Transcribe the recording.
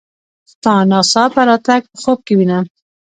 ستا ناڅاپه راتګ په خوب کې وینم.